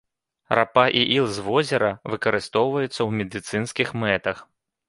Рапа і іл з возера выкарыстоўваюцца ў медыцынскіх мэтах.